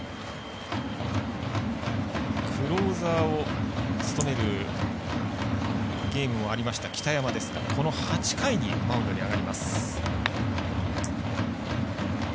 クローザーを務めるゲームもありました北山ですがこの８回にマウンドに上がります。